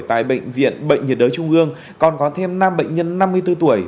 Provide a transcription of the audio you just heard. tại bệnh viện bệnh nhiệt đới trung ương còn có thêm năm bệnh nhân năm mươi bốn tuổi